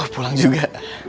wah pulang juga